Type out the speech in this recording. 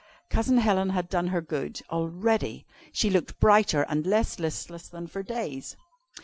Cousin Helen had done her good, already. She looked brighter and less listless than for days.